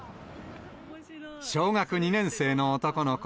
小学２年生の男の子。